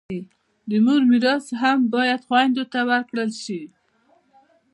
د مور میراث هم باید و خویندو ته ورکړل سي.